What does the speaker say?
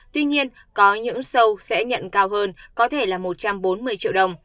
tuy nhiên có những show sẽ nhận cao hơn có thể là một trăm bốn mươi triệu đồng